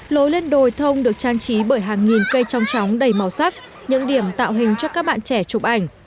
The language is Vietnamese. lối lên đồi thông được trang trí bởi hàng nghìn cây trong tróng đầy màu sắc những điểm tạo hình cho các bạn trẻ chụp ảnh